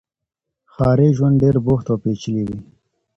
ښاري ژوند ډېر بوخت او پېچلی وي.